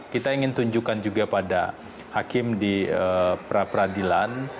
kita ingin tunjukkan juga pada hakim di pra peradilan